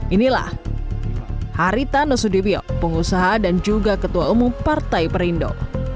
inilah haritanu sudibyo pengusaha dan juga ketua umum partai perindo